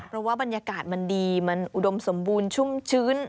เพราะว่าบรรยากาศมันดีมันอุดมสมบูรณ์ชุ่มชื้น